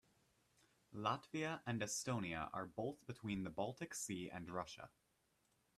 Latvia and Estonia are both between the Baltic Sea and Russia.